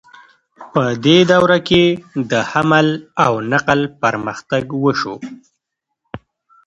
په دې دوره کې د حمل او نقل پرمختګ وشو.